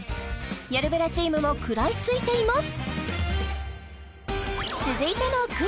よるブラチームも食らいついています！